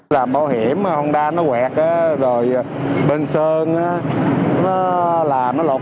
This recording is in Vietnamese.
làm bảo hiểm honda nó quẹt rồi bên sơn nó làm nó lột